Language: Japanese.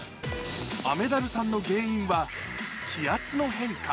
雨ダルさんの原因は、気圧の変化。